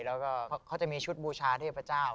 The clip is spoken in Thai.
แล้วก็เขาจะมีชุดบูชาเทพเจ้า